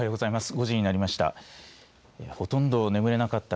５時になりました。